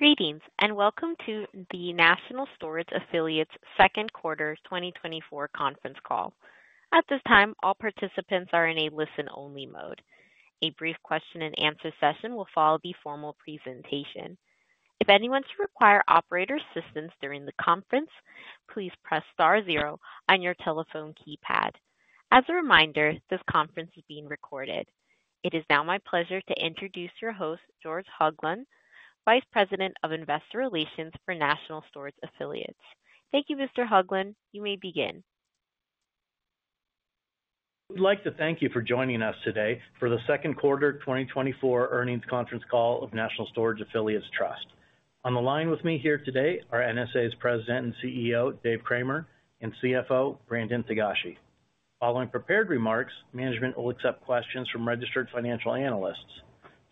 Greetings, and welcome to the National Storage Affiliates second quarter 2024 conference call. At this time, all participants are in a listen-only mode. A brief question and answer session will follow the formal presentation. If anyone should require operator assistance during the conference, please press * zero on your telephone keypad. As a reminder, this conference is being recorded. It is now my pleasure to introduce your host, George Hoglund, Vice President of Investor Relations for National Storage Affiliates. Thank you, Mr. Höglund. You may begin. We'd like to thank you for joining us today for the second quarter 2024 earnings conference call of National Storage Affiliates Trust. On the line with me here today are NSA's President and CEO, Dave Cramer, and CFO, Brandon Togashi. Following prepared remarks, management will accept questions from registered financial analysts.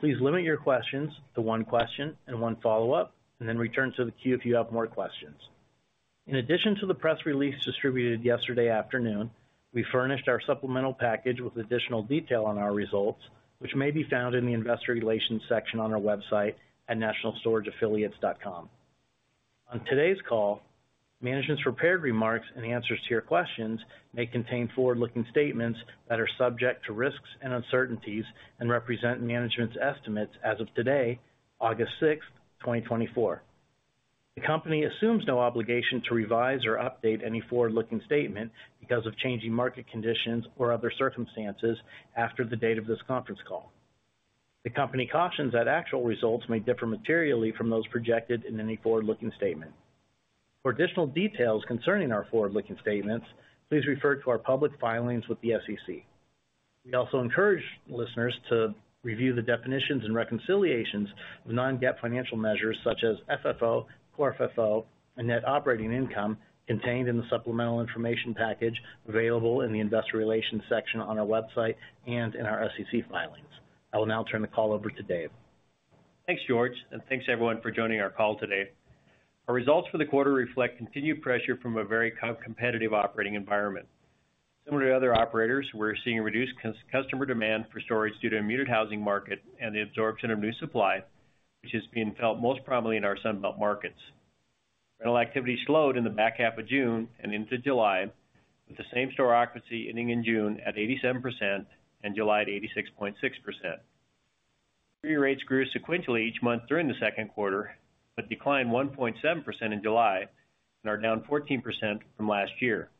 Please limit your questions to one question and one follow-up, and then return to the queue if you have more questions. In addition to the press release distributed yesterday afternoon, we furnished our supplemental package with additional detail on our results, which may be found in the Investor Relations section on our website at nationalstorageaffiliates.com. On today's call, management's prepared remarks and answers to your questions may contain forward-looking statements that are subject to risks and uncertainties and represent management's estimates as of today, August 6, 2024. The company assumes no obligation to revise or update any forward-looking statement because of changing market conditions or other circumstances after the date of this conference call. The company cautions that actual results may differ materially from those projected in any forward-looking statement. For additional details concerning our forward-looking statements, please refer to our public filings with the SEC. We also encourage listeners to review the definitions and reconciliations of non-GAAP financial measures such as FFO, Core FFO, and Net Operating Income contained in the supplemental information package available in the Investor Relations section on our website and in our SEC filings. I will now turn the call over to Dave. Thanks, George, and thanks everyone for joining our call today. Our results for the quarter reflect continued pressure from a very competitive operating environment. Similar to other operators, we're seeing reduced customer demand for storage due to a muted housing market and the absorption of new supply, which is being felt most prominently in our Sun Belt markets. Rental activity slowed in the back half of June and into July, with the same-store occupancy ending in June at 87% and July at 86.6%. Street rates grew sequentially each month during the second quarter, but declined 1.7% in July and are down 14% from last year.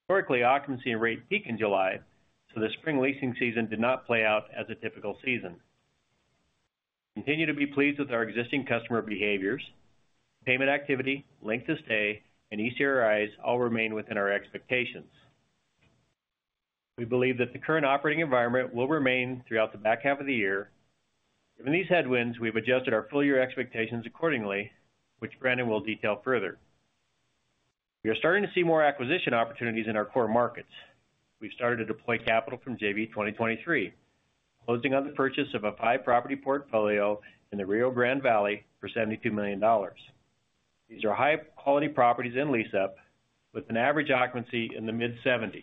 Historically, occupancy and rate peaked in July, so the spring leasing season did not play out as a typical season. We continue to be pleased with our existing customer behaviors. Payment activity, length of stay, and eCRIs all remain within our expectations. We believe that the current operating environment will remain throughout the back half of the year. Given these headwinds, we've adjusted our full-year expectations accordingly, which Brandon will detail further. We are starting to see more acquisition opportunities in our core markets. We've started to deploy capital from JV 2023, closing on the purchase of a 5-property portfolio in the Rio Grande Valley for $72 million. These are high-quality properties in lease-up with an average occupancy in the mid-70s. The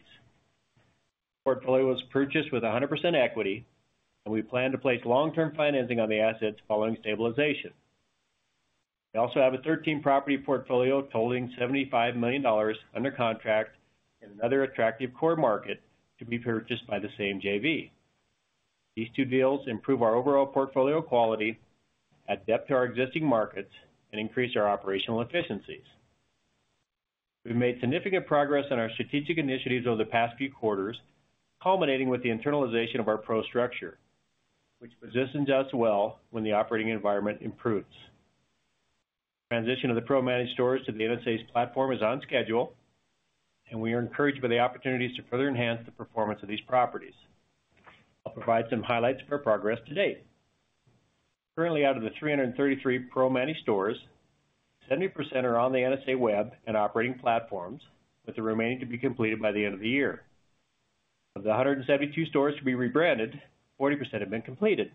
portfolio was purchased with 100% equity, and we plan to place long-term financing on the assets following stabilization. We also have a 13-property portfolio totaling $75 million under contract in another attractive core market to be purchased by the same JV. These two deals improve our overall portfolio quality, add depth to our existing markets, and increase our operational efficiencies. We've made significant progress on our strategic initiatives over the past few quarters, culminating with the internalization of our PRO structure, which positions us well when the operating environment improves. Transition of the PRO-managed stores to the NSA's platform is on schedule, and we are encouraged by the opportunities to further enhance the performance of these properties. I'll provide some highlights of our progress to date. Currently, out of the 333 PRO-managed stores, 70% are on the NSA web and operating platforms, with the remaining to be completed by the end of the year. Of the 172 stores to be rebranded, 40% have been completed.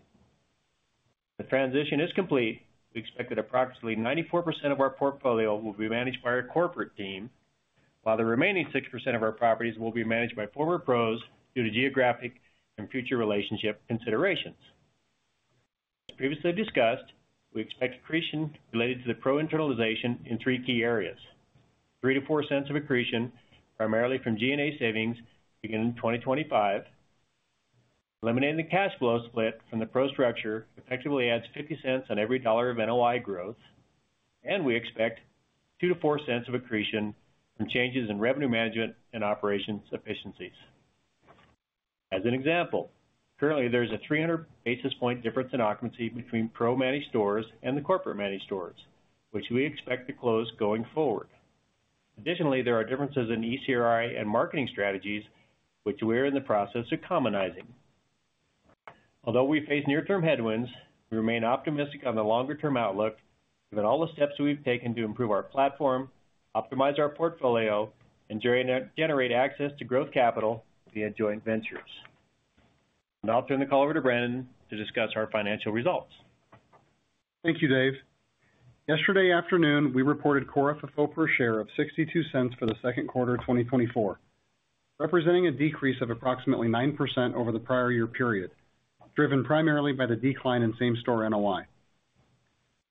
The transition is complete. We expect that approximately 94% of our portfolio will be managed by our corporate team, while the remaining 6% of our properties will be managed by former PROs due to geographic and future relationship considerations. As previously discussed, we expect accretion related to the PRO internalization in three key areas. $0.03-$0.04 of accretion, primarily from G&A savings, beginning in 2025. Eliminating the cash flow split from the PRO structure effectively adds $0.50 on every $1 of NOI growth, and we expect $0.02-$0.04 of accretion from changes in revenue management and operations efficiencies. As an example, currently there's a 300 basis point difference in occupancy between PRO-managed stores and the corporate managed stores, which we expect to close going forward. Additionally, there are differences in ECRI and marketing strategies, which we're in the process of commonizing. Although we face near-term headwinds, we remain optimistic on the longer-term outlook, given all the steps we've taken to improve our platform, optimize our portfolio, and generate access to growth capital via joint ventures. Now I'll turn the call over to Brandon to discuss our financial results. Thank you, Dave.... Yesterday afternoon, we reported Core FFO per share of $0.62 for the second quarter of 2024, representing a decrease of approximately 9% over the prior year period, driven primarily by the decline in same-store NOI.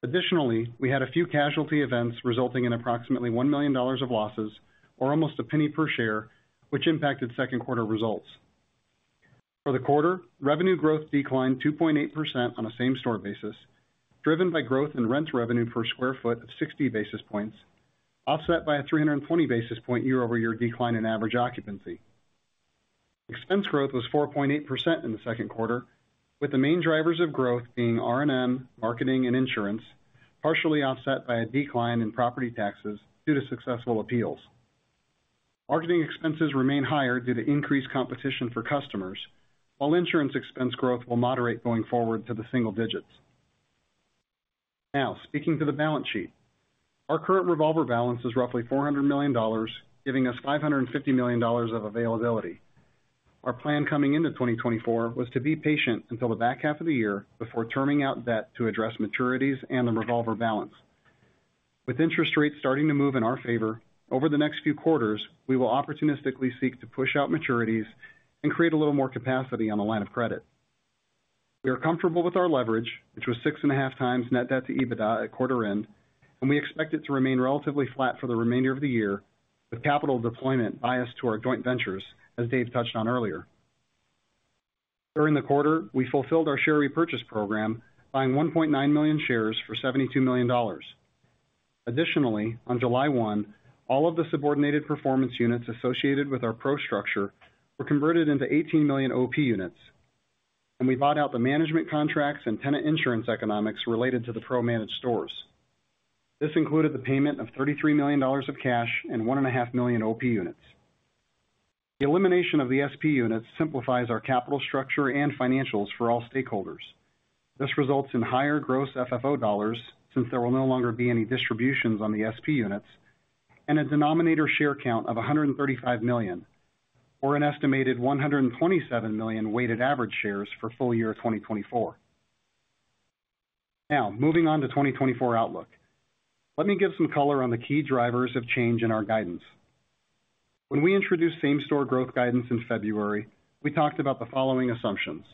Additionally, we had a few casualty events resulting in approximately $1 million of losses, or almost $0.01 per share, which impacted second quarter results. For the quarter, revenue growth declined 2.8% on a same-store basis, driven by growth in rent revenue per sq ft of 60 basis points, offset by a 320 basis point year-over-year decline in average occupancy. Expense growth was 4.8% in the second quarter, with the main drivers of growth being R&M, marketing, and insurance, partially offset by a decline in property taxes due to successful appeals. Marketing expenses remain higher due to increased competition for customers, while insurance expense growth will moderate going forward to the single digits. Now, speaking to the balance sheet. Our current revolver balance is roughly $400 million, giving us $550 million of availability. Our plan coming into 2024 was to be patient until the back half of the year before turning out debt to address maturities and the revolver balance. With interest rates starting to move in our favor, over the next few quarters, we will opportunistically seek to push out maturities and create a little more capacity on the line of credit. We are comfortable with our leverage, which was 6.5x net debt to EBITDA at quarter end, and we expect it to remain relatively flat for the remainder of the year, with capital deployment biased to our joint ventures, as Dave touched on earlier. During the quarter, we fulfilled our share repurchase program, buying 1.9 million shares for $72 million. Additionally, on July 1, all of the subordinated performance units associated with our PRO structure were converted into 18 million OP units, and we bought out the management contracts and tenant insurance economics related to the PRO managed stores. This included the payment of $33 million of cash and 1.5 million OP units. The elimination of the SP units simplifies our capital structure and financials for all stakeholders. This results in higher gross FFO dollars, since there will no longer be any distributions on the SP units, and a denominator share count of 135 million, or an estimated 127 million weighted average shares for full year 2024. Now, moving on to 2024 outlook. Let me give some color on the key drivers of change in our guidance. When we introduced same-store growth guidance in February, we talked about the following assumptions.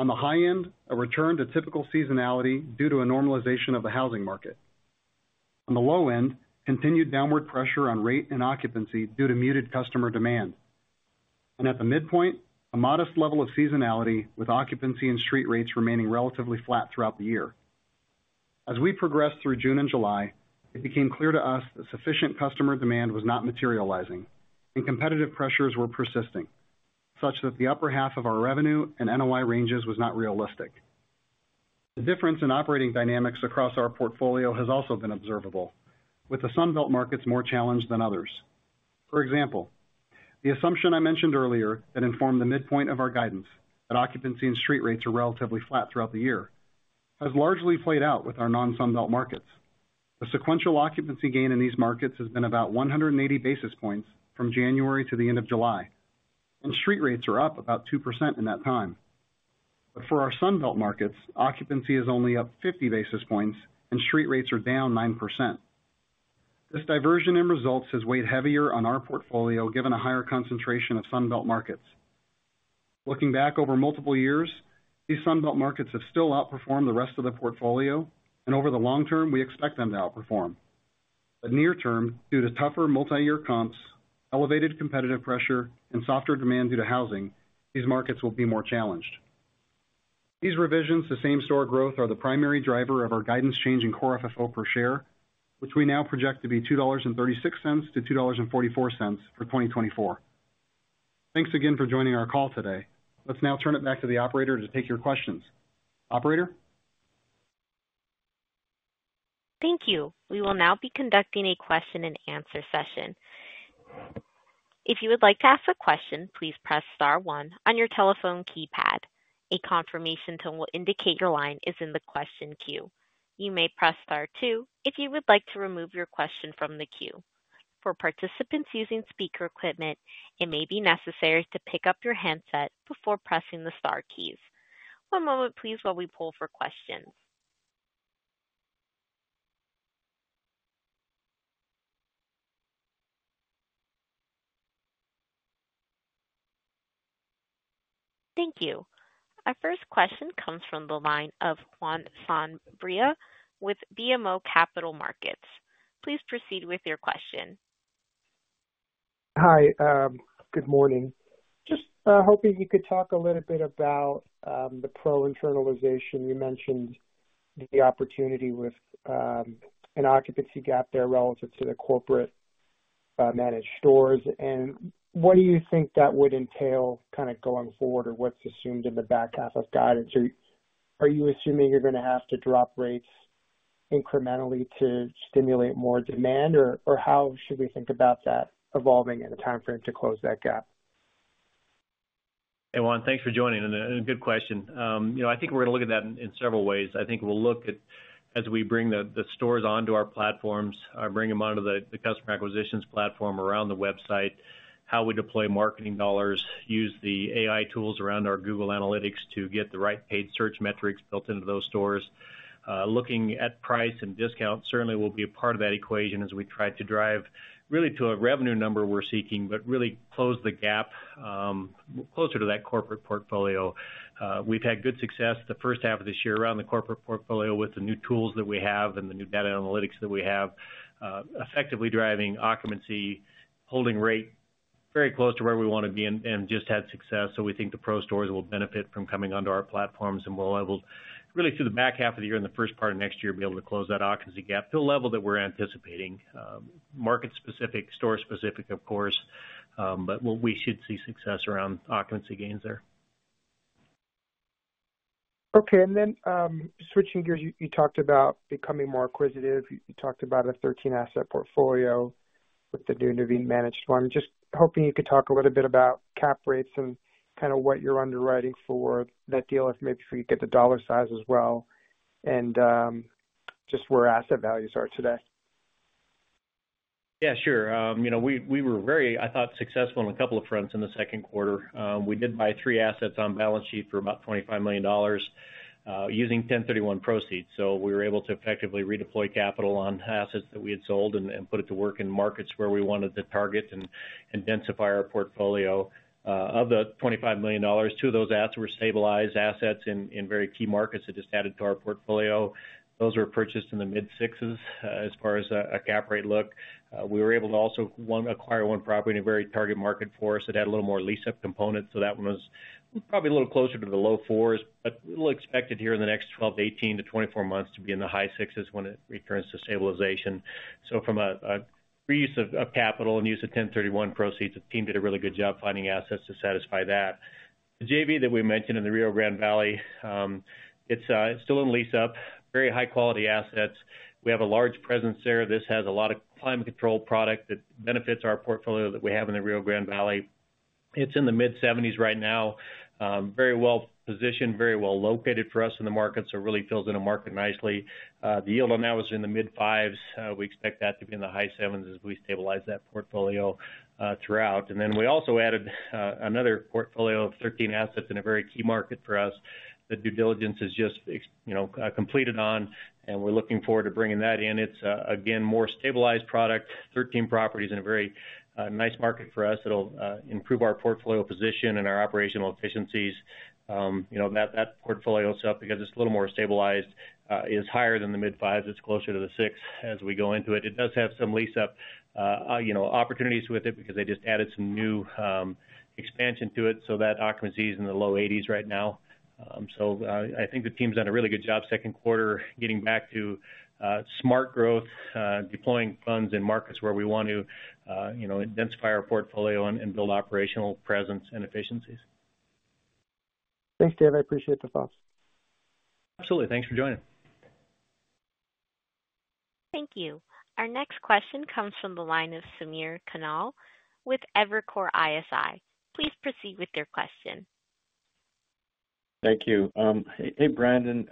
On the high end, a return to typical seasonality due to a normalization of the housing market. On the low end, continued downward pressure on rate and occupancy due to muted customer demand. At the midpoint, a modest level of seasonality, with occupancy and street rates remaining relatively flat throughout the year. As we progressed through June and July, it became clear to us that sufficient customer demand was not materializing and competitive pressures were persisting, such that the upper half of our revenue and NOI ranges was not realistic. The difference in operating dynamics across our portfolio has also been observable, with the Sun Belt markets more challenged than others. For example, the assumption I mentioned earlier that informed the midpoint of our guidance, that occupancy and street rates are relatively flat throughout the year, has largely played out with our non-Sun Belt markets. The sequential occupancy gain in these markets has been about 180 basis points from January to the end of July, and street rates are up about 2% in that time. But for our Sun Belt markets, occupancy is only up 50 basis points and street rates are down 9%. This diversion in results has weighed heavier on our portfolio, given a higher concentration of Sun Belt markets. Looking back over multiple years, these Sun Belt markets have still outperformed the rest of the portfolio, and over the long term, we expect them to outperform. But near term, due to tougher multi-year comps, elevated competitive pressure, and softer demand due to housing, these markets will be more challenged. These revisions to same-store growth are the primary driver of our guidance change in Core FFO per share, which we now project to be $2.36-$2.44 for 2024. Thanks again for joining our call today. Let's now turn it back to the operator to take your questions. Operator? Thank you. We will now be conducting a question and answer session. If you would like to ask a question, please press * one on your telephone keypad. A confirmation tone will indicate your line is in the question queue. You may press * two if you would like to remove your question from the queue. For participants using speaker equipment, it may be necessary to pick up your handset before pressing the * keys. One moment, please, while we pull for questions. Thank you. Our first question comes from the line of Juan Sanabria with BMO Capital Markets. Please proceed with your question. Hi, good morning. Just hoping you could talk a little bit about the PRO internalization. You mentioned the opportunity with an occupancy gap there relative to the corporate-managed stores. What do you think that would entail kind of going forward, or what's assumed in the back half of guidance? Are you assuming you're going to have to drop rates incrementally to stimulate more demand, or how should we think about that evolving and the timeframe to close that gap? Hey, Juan, thanks for joining and good question. You know, I think we're going to look at that in several ways. I think we'll look at as we bring the stores onto our platforms or bring them onto the customer acquisitions platform around the website. ... how we deploy marketing dollars, use the AI tools around our Google Analytics to get the right paid search metrics built into those stores. Looking at price and discount certainly will be a part of that equation as we try to drive really to a revenue number we're seeking, but really close the gap, closer to that corporate portfolio. We've had good success the first half of this year around the corporate portfolio with the new tools that we have and the new data analytics that we have, effectively driving occupancy, holding rate very close to where we wanna be and, and just had success. So we think the pro stores will benefit from coming onto our platforms, and we'll be able, really through the back half of the year and the first part of next year, be able to close that occupancy gap to a level that we're anticipating. Market-specific, store-specific, of course, but we should see success around occupancy gains there. Okay. And then, switching gears, you, you talked about becoming more acquisitive. You, you talked about a 13-asset portfolio with the new Nuveen managed one. Just hoping you could talk a little bit about cap rates and kinda what you're underwriting for that deal, if maybe if we could get the dollar size as well, and, just where asset values are today. Yeah, sure. You know, we were very, I thought, successful on a couple of fronts in the second quarter. We did buy 3 assets on balance sheet for about $25 million, using 1031 proceeds. So we were able to effectively redeploy capital on assets that we had sold and put it to work in markets where we wanted to target and densify our portfolio. Of the $25 million, two of those assets were stabilized assets in very key markets that just added to our portfolio. Those were purchased in the mid-6s, as far as a cap rate look. We were able to also acquire one property in a very target market for us that had a little more lease-up component, so that one was probably a little closer to the low 4s, but we'll expect it here in the next 12 to 18 to 24 months to be in the high 6s when it returns to stabilization. So from a reuse of capital and use of 1031 proceeds, the team did a really good job finding assets to satisfy that. The JV that we mentioned in the Rio Grande Valley, it's still in lease-up, very high-quality assets. We have a large presence there. This has a lot of climate control product that benefits our portfolio that we have in the Rio Grande Valley. It's in the mid-70s right now. Very well-positioned, very well-located for us in the market, so it really fills in the market nicely. The yield on that was in the mid-5s. We expect that to be in the high 7s as we stabilize that portfolio throughout. And then we also added another portfolio of 13 assets in a very key market for us. The due diligence is just excellent, you know, completed on, and we're looking forward to bringing that in. It's again, more stabilized product, 13 properties in a very nice market for us. It'll improve our portfolio position and our operational efficiencies. You know, that portfolio itself, because it's a little more stabilized, is higher than the mid-5s. It's closer to the 6 as we go into it. It does have some lease-up, you know, opportunities with it because they just added some new expansion to it, so that occupancy is in the low 80s right now. So, I think the team's done a really good job second quarter, getting back to smart growth, deploying funds in markets where we want to, you know, densify our portfolio and, and build operational presence and efficiencies. Thanks, Dave. I appreciate the thoughts. Absolutely. Thanks for joining. Thank you. Our next question comes from the line of Samir Khanal with Evercore ISI. Please proceed with your question. Thank you. Hey, Brandon,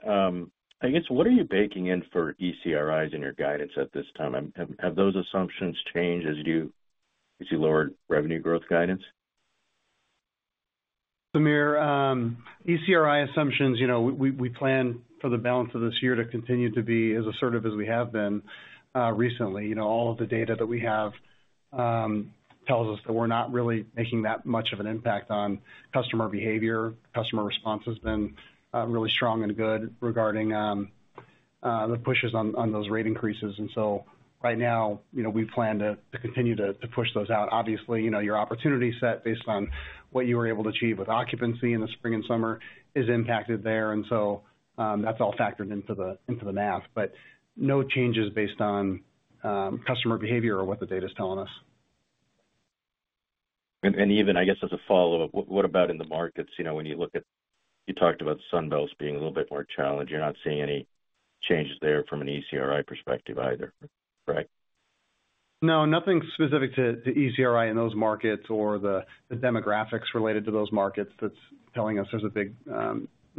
I guess, what are you baking in for ECRIs in your guidance at this time? Have those assumptions changed as you see lower revenue growth guidance? Samir, ECRI assumptions, you know, we plan for the balance of this year to continue to be as assertive as we have been recently. You know, all of the data that we have tells us that we're not really making that much of an impact on customer behavior. Customer response has been really strong and good regarding the pushes on those rate increases. And so right now, you know, we plan to continue to push those out. Obviously, you know, your opportunity set based on what you were able to achieve with occupancy in the spring and summer is impacted there, and so that's all factored into the math. But no changes based on customer behavior or what the data's telling us. Even, I guess, as a follow-up, what about in the markets? You know, when you look at... You talked about Sun Belt being a little bit more challenged. You're not seeing any changes there from an ECRI perspective either, correct? No, nothing specific to ECRI in those markets or the demographics related to those markets that's telling us there's a big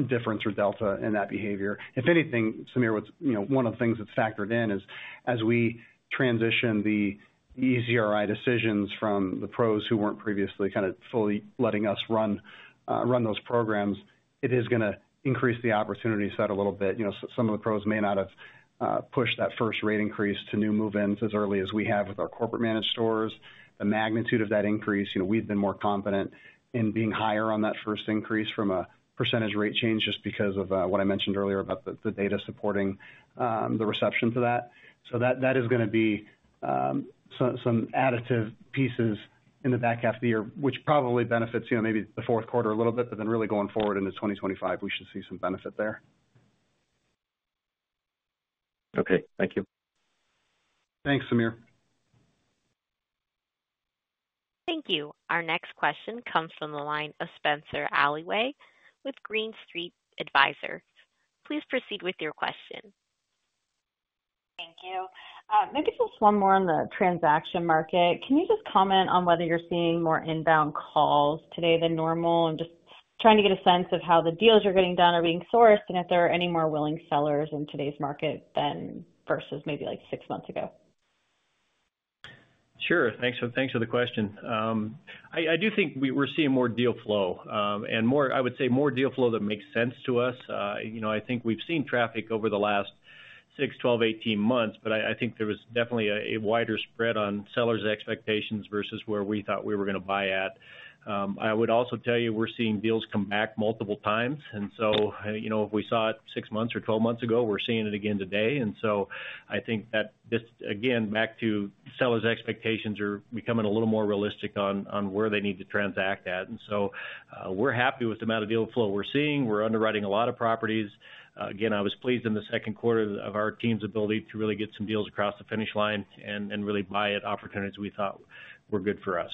difference or delta in that behavior. If anything, Samir, what's one of the things that's factored in is, as we transition the ECRI decisions from the PROs who weren't previously kind of fully letting us run those programs, it is gonna increase the opportunity set a little bit. You know, so some of the PROs may not have pushed that first rate increase to new move-ins as early as we have with our corporate-managed stores. The magnitude of that increase, you know, we've been more confident in being higher on that first increase from a percentage rate change, just because of what I mentioned earlier about the data supporting the reception to that. That is gonna be some additive pieces in the back half of the year, which probably benefits, you know, maybe the fourth quarter a little bit, but then really going forward into 2025, we should see some benefit there. Okay, thank you. Thanks, Samir. Thank you. Our next question comes from the line of Spenser Allaway with Green Street Advisors. Please proceed with your question. Thank you. Maybe just one more on the transaction market. Can you just comment on whether you're seeing more inbound calls today than normal, and just-... Trying to get a sense of how the deals you're getting done are being sourced, and if there are any more willing sellers in today's market than versus maybe like six months ago? Sure. Thanks for the question. I do think we're seeing more deal flow, and more—I would say more deal flow that makes sense to us. You know, I think we've seen traffic over the last 6, 12, 18 months, but I think there was definitely a wider spread on sellers' expectations versus where we thought we were gonna buy at. I would also tell you, we're seeing deals come back multiple times, and so, you know, if we saw it 6 months or 12 months ago, we're seeing it again today. And so I think that this, again, back to sellers' expectations are becoming a little more realistic on where they need to transact at. And so, we're happy with the amount of deal flow we're seeing. We're underwriting a lot of properties. Again, I was pleased in the second quarter of our team's ability to really get some deals across the finish line and really buy at opportunities we thought were good for us.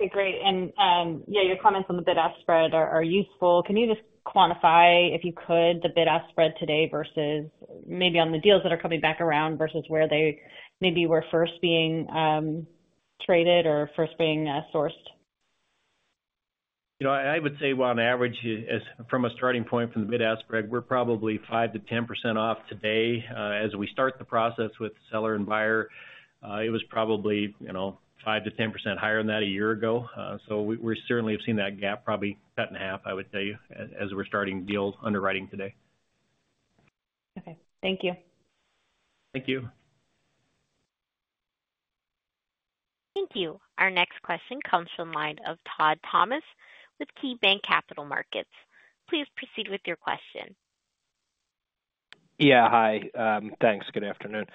Okay, great. And, yeah, your comments on the bid-ask spread are useful. Can you just quantify, if you could, the bid-ask spread today versus maybe on the deals that are coming back around versus where they maybe were first being traded or first being sourced? You know, I would say, well, on average, as from a starting point from the bid-ask spread, we're probably 5%-10% off today. As we start the process with seller and buyer, it was probably, you know, 5%-10% higher than that a year ago. So we certainly have seen that gap, probably cut in half, I would tell you, as we're starting deals underwriting today. Okay. Thank you. Thank you. Thank you. Our next question comes from the line of Todd Thomas with KeyBanc Capital Markets. Please proceed with your question. Yeah, hi. Thanks. Good afternoon.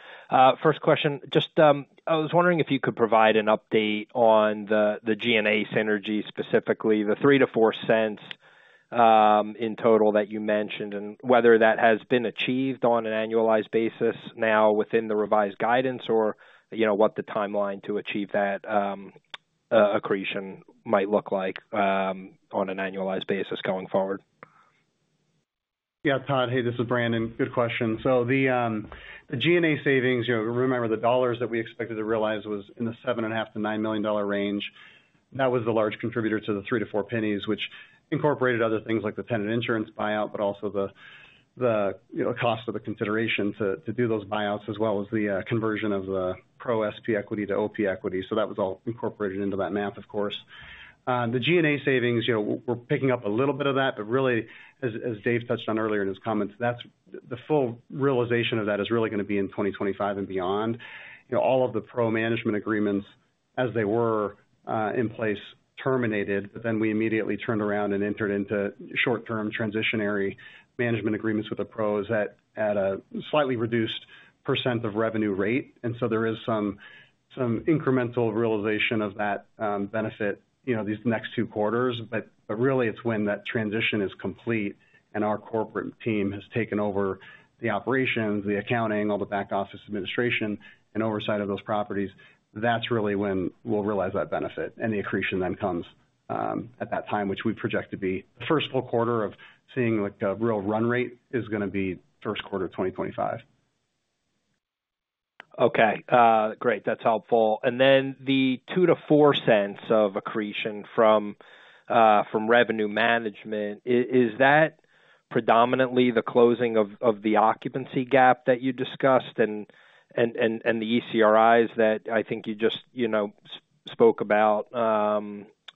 First question, just, I was wondering if you could provide an update on the, the G&A synergy, specifically the $0.03-$0.04 in total that you mentioned, and whether that has been achieved on an annualized basis now within the revised guidance, or, you know, what the timeline to achieve that accretion might look like on an annualized basis going forward? Yeah, Todd, hey, this is Brandon. Good question. So the G&A savings, you know, remember, the dollars that we expected to realize was in the $7.5 million-$9 million range. That was the large contributor to the $0.03-$0.04, which incorporated other things like the tenant insurance buyout, but also the, you know, cost of the consideration to do those buyouts, as well as the conversion of the PRO SP equity to OP equity. So that was all incorporated into that math, of course. The G&A savings, you know, we're picking up a little bit of that, but really, as Dave touched on earlier in his comments, that's the full realization of that is really gonna be in 2025 and beyond. You know, all of the pro management agreements as they were in place terminated, but then we immediately turned around and entered into short-term transitionary management agreements with the PROs at a slightly reduced percent of revenue rate. And so there is some incremental realization of that benefit, you know, these next two quarters. But really, it's when that transition is complete and our corporate team has taken over the operations, the accounting, all the back office administration and oversight of those properties, that's really when we'll realize that benefit. And the accretion then comes at that time, which we project to be the first full quarter of seeing, like, a real run rate is gonna be first quarter of 2025. Okay, great. That's helpful. And then the $0.02-$0.04 of accretion from revenue management, is that predominantly the closing of the occupancy gap that you discussed and the ECRIs that I think you just, you know, spoke about,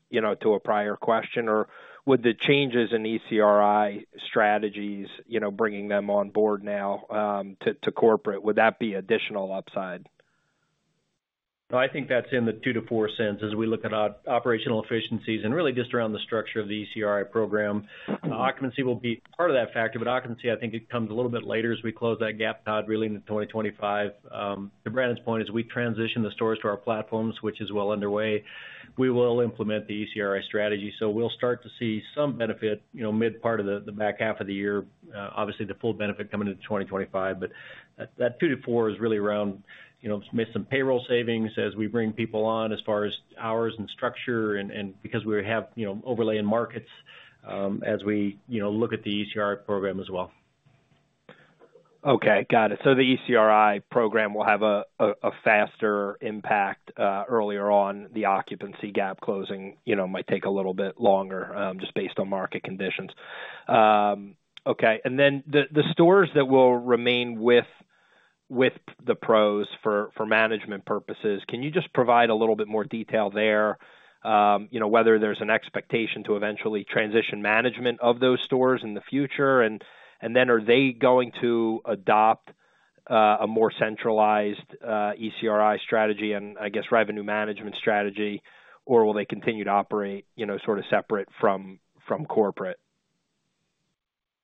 you know, to a prior question? Or would the changes in ECRI strategies, you know, bringing them on board now, to corporate, would that be additional upside? No, I think that's in the $0.02-$0.04 as we look at operational efficiencies and really just around the structure of the ECRI program. Occupancy will be part of that factor, but occupancy, I think it comes a little bit later as we close that gap, Todd, really in 2025. To Brandon's point, as we transition the stores to our platforms, which is well underway, we will implement the ECRI strategy. So we'll start to see some benefit, you know, mid part of the back half of the year. Obviously, the full benefit coming into 2025, but that, that 2-4 is really around, you know, make some payroll savings as we bring people on as far as hours and structure and, and because we have, you know, overlay in markets, as we, you know, look at the ECRI program as well. Okay, got it. So the ECRI program will have a faster impact earlier on. The occupancy gap closing, you know, might take a little bit longer just based on market conditions. Okay. And then the stores that will remain with the PROs for management purposes, can you just provide a little bit more detail there? You know, whether there's an expectation to eventually transition management of those stores in the future, and then are they going to adopt a more centralized ECRI strategy and, I guess, revenue management strategy, or will they continue to operate, you know, sort of separate from corporate?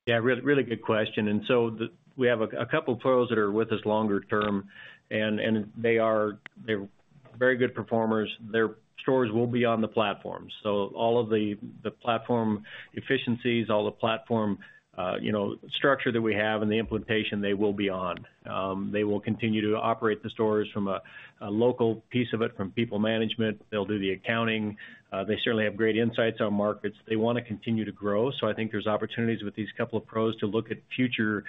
Yeah, really good question. So we have a couple PROs that are with us longer term, and they're very good performers. Their stores will be on the platform. So all of the platform efficiencies, all the platform, you know, structure that we have and the implementation, they will be on. They will continue to operate the stores from a local piece of it, from people management. They'll do the accounting. They certainly have great insights on markets. They wanna continue to grow, so I think there's opportunities with these couple of PROs to look at future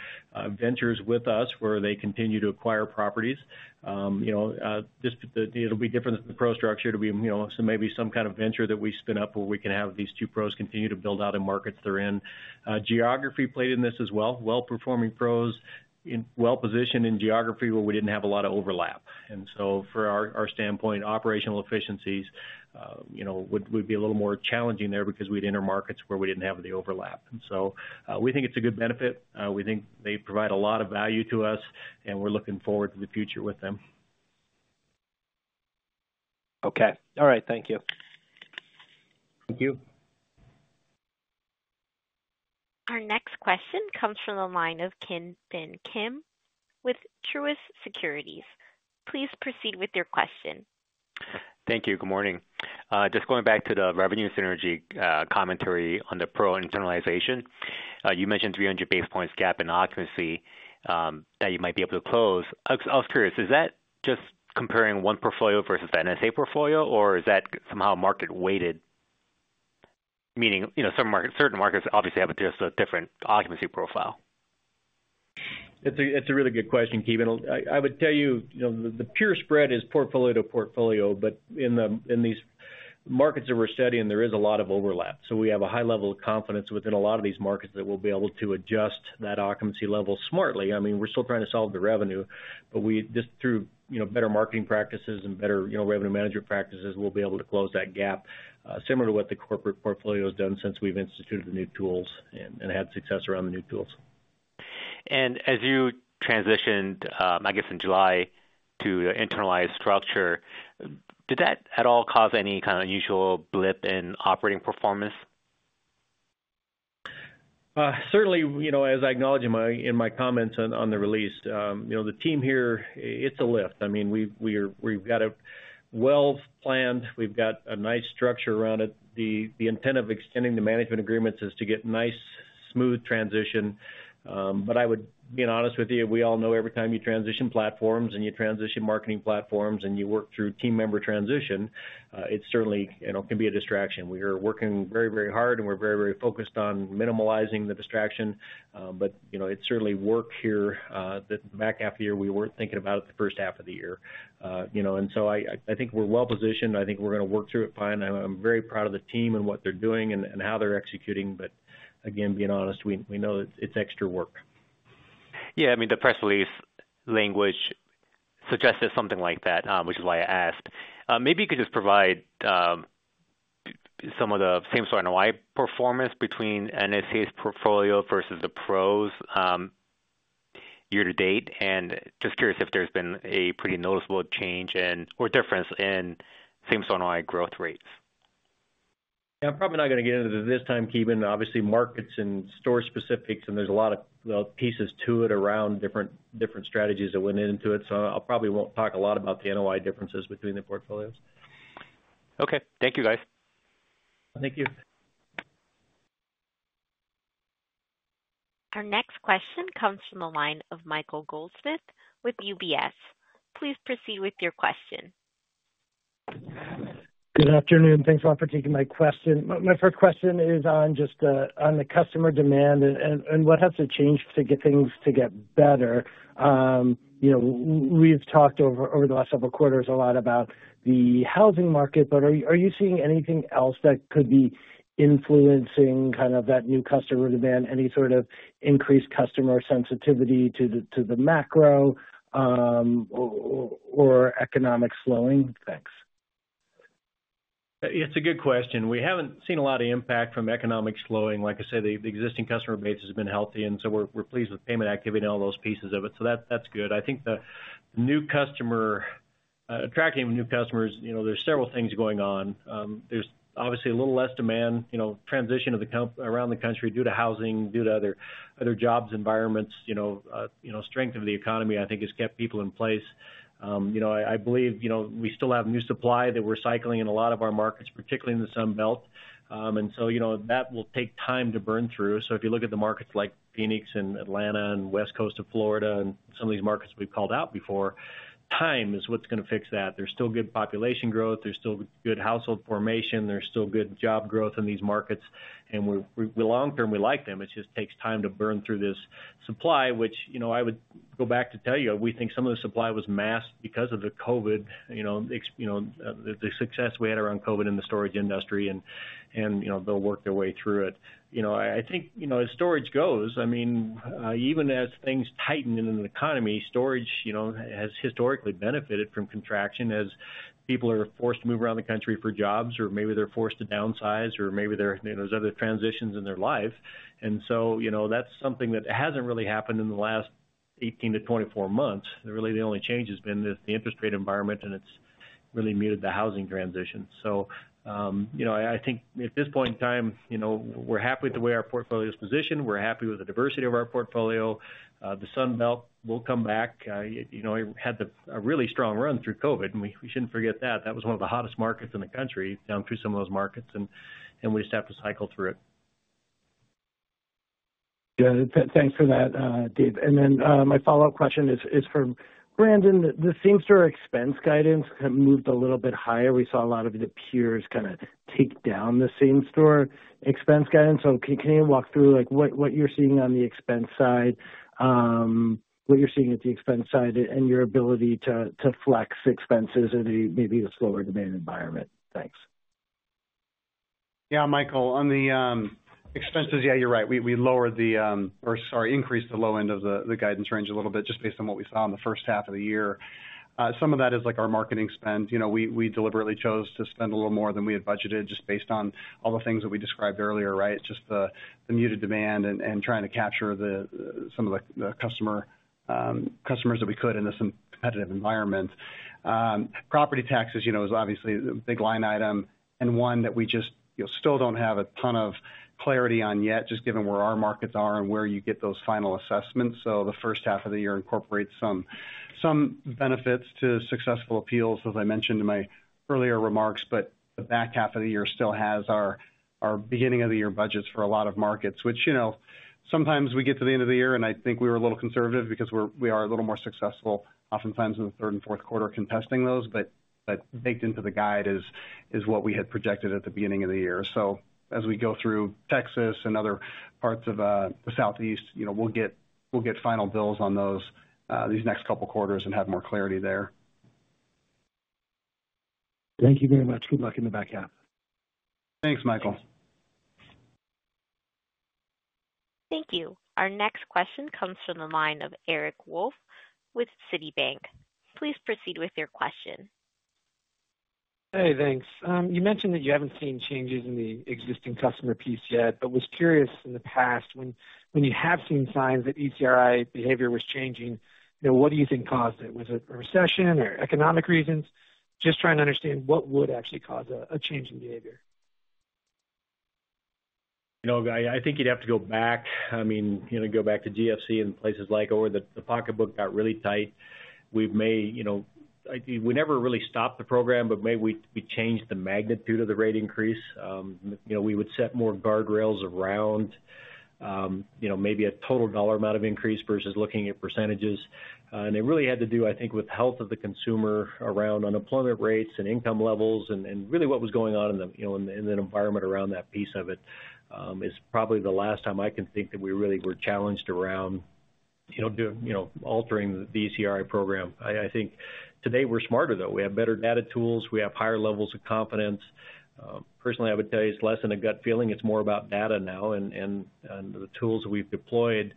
ventures with us, where they continue to acquire properties. You know, it'll be different than the PRO structure. It'll be, you know, so maybe some kind of venture that we spin up, where we can have these two PROs continue to build out in markets they're in. Geography played in this as well. Well-performing PROs in well-positioned in geography, where we didn't have a lot of overlap. And so for our standpoint, operational efficiencies, you know, would be a little more challenging there because we had intermarkets where we didn't have the overlap. And so, we think it's a good benefit. We think they provide a lot of value to us, and we're looking forward to the future with them. Okay. All right, thank you. Thank you. Our next question comes from the line of Ki Bin Kim with Truist Securities. Please proceed with your question. Thank you. Good morning. Just going back to the revenue synergy commentary on the PRO internalization. You mentioned 300 basis points gap in occupancy that you might be able to close. I was curious, is that just comparing one portfolio versus the NSA portfolio, or is that somehow market weighted? Meaning, you know, certain markets obviously have just a different occupancy profile. It's a really good question, Ki Bin. I would tell you, you know, the pure spread is portfolio to portfolio, but in these markets that we're studying, there is a lot of overlap. So we have a high level of confidence within a lot of these markets that we'll be able to adjust that occupancy level smartly. I mean, we're still trying to solve the revenue, but just through, you know, better marketing practices and better, you know, revenue management practices, we'll be able to close that gap, similar to what the corporate portfolio has done since we've instituted the new tools and had success around the new tools. As you transitioned, I guess in July to the internalized structure, did that at all cause any kind of unusual blip in operating performance? Certainly, you know, as I acknowledged in my comments on the release, you know, the team here, it's a lift. I mean, we, we're – we've got a well-planned, we've got a nice structure around it. The intent of extending the management agreements is to get nice, smooth transition. But I would being honest with you, we all know every time you transition platforms and you transition marketing platforms and you work through team member transition, it certainly, you know, can be a distraction. We are working very, very hard, and we're very, very focused on minimizing the distraction. But, you know, it certainly worked here, the back half of the year. We weren't thinking about it the first half of the year. You know, and so I think we're well positioned. I think we're gonna work through it fine. I'm very proud of the team and what they're doing and how they're executing. But again, being honest, we know it's extra work. Yeah, I mean, the press release language suggested something like that, which is why I asked. Maybe you could just provide some of the same store NOI performance between NSA's portfolio versus the PRO's year to date. Just curious if there's been a pretty noticeable change or difference in same store NOI growth rates. Yeah, I'm probably not gonna get into it this time, Ki Bin, but obviously, markets and store specifics, and there's a lot of, well, pieces to it around different strategies that went into it, so I'll probably won't talk a lot about the NOI differences between the portfolios. Okay. Thank you, guys. Thank you. Our next question comes from the line of Michael Goldsmith with UBS. Please proceed with your question. Good afternoon. Thanks, all, for taking my question. My first question is on just on the customer demand and what has to change to get things to get better. You know, we've talked over, over the last several quarters a lot about the housing market, but are you seeing anything else that could be influencing kind of that new customer demand, any sort of increased customer sensitivity to the macro or economic slowing? Thanks. It's a good question. We haven't seen a lot of impact from economic slowing. Like I said, the existing customer base has been healthy, and so we're pleased with payment activity and all those pieces of it. So that's good. I think attracting new customers, you know, there's several things going on. There's obviously a little less demand, you know, transition around the country due to housing, due to other jobs environments, you know, strength of the economy, I think, has kept people in place. You know, I believe, you know, we still have new supply that we're cycling in a lot of our markets, particularly in the Sun Belt. And so, you know, that will take time to burn through. So if you look at the markets like Phoenix and Atlanta and West Coast of Florida and some of these markets we've called out before, time is what's gonna fix that. There's still good population growth. There's still good household formation. There's still good job growth in these markets, and we long term, we like them. It just takes time to burn through this supply, which, you know, I would go back to tell you, we think some of the supply was masked because of the COVID, you know, ex- you know, the success we had around COVID in the storage industry and, and, you know, they'll work their way through it. You know, I think, you know, as storage goes, I mean, even as things tighten in an economy, storage, you know, has historically benefited from contraction as people are forced to move around the country for jobs, or maybe they're forced to downsize, or maybe there, you know, there's other transitions in their life. And so, you know, that's something that hasn't really happened in the last 18-24 months. Really, the only change has been the interest rate environment, and it's really muted the housing transition. So, you know, I think at this point in time, you know, we're happy with the way our portfolio is positioned. We're happy with the diversity of our portfolio. The Sun Belt will come back. You know, it had a really strong run through COVID, and we shouldn't forget that. That was one of the hottest markets in the country, down through some of those markets, and we just have to cycle through it. Yeah, thanks for that, Dave. And then, my follow-up question is for Brandon. The same store expense guidance have moved a little bit higher. We saw a lot of the peers kind of take down the same store expense guidance. So can you walk through, like, what you're seeing on the expense side, what you're seeing at the expense side and your ability to flex expenses in maybe a slower demand environment? Thanks.... Yeah, Michael, on the, expenses, yeah, you're right. We, we lowered the, or sorry, increased the low end of the, the guidance range a little bit just based on what we saw in the first half of the year. Some of that is like our marketing spend. You know, we, we deliberately chose to spend a little more than we had budgeted, just based on all the things that we described earlier, right? Just the, the muted demand and, and trying to capture the, some of the, the customer, customers that we could in this competitive environment. Property taxes, you know, is obviously a big line item and one that we just, you know, still don't have a ton of clarity on yet, just given where our markets are and where you get those final assessments. So the first half of the year incorporates some benefits to successful appeals, as I mentioned in my earlier remarks. But the back half of the year still has our beginning of the year budgets for a lot of markets, which, you know, sometimes we get to the end of the year, and I think we were a little conservative because we are a little more successful oftentimes in the third and fourth quarter, contesting those. But baked into the guide is what we had projected at the beginning of the year. So as we go through Texas and other parts of the Southeast, you know, we'll get final bills on those these next couple quarters and have more clarity there. Thank you very much. Good luck in the back half. Thanks, Michael. Thank you. Our next question comes from the line of Eric Wolfe with Citibank. Please proceed with your question. Hey, thanks. You mentioned that you haven't seen changes in the existing customer piece yet, but was curious in the past, when you have seen signs that ECRI behavior was changing, you know, what do you think caused it? Was it a recession or economic reasons? Just trying to understand what would actually cause a change in behavior. You know, I think you'd have to go back. I mean, you know, go back to GFC and places like where the pocketbook got really tight. We've made, you know, we never really stopped the program, but maybe we changed the magnitude of the rate increase. You know, we would set more guardrails around, you know, maybe a total dollar amount of increase versus looking at percentages. And it really had to do, I think, with the health of the consumer around unemployment rates and income levels and really what was going on in the, you know, in the environment around that piece of it. It's probably the last time I can think that we really were challenged around, you know, altering the ECRI program. I think today we're smarter, though. We have better data tools. We have higher levels of confidence. Personally, I would tell you it's less than a gut feeling. It's more about data now, and the tools we've deployed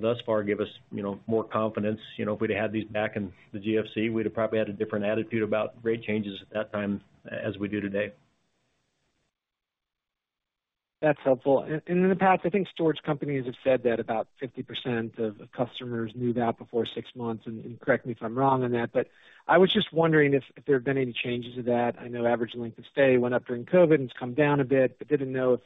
thus far give us, you know, more confidence. You know, if we'd had these back in the GFC, we'd have probably had a different attitude about rate changes at that time as we do today. That's helpful. In the past, I think storage companies have said that about 50% of customers move out before six months, and correct me if I'm wrong on that, but I was just wondering if there have been any changes to that. I know average length of stay went up during COVID and it's come down a bit, but didn't know